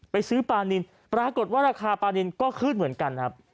ซื้อปลานินปรากฏว่าราคาปลานินก็ขึ้นเหมือนกันครับ